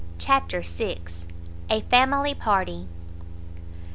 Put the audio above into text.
CHAPTER vi A FAMILY PARTY.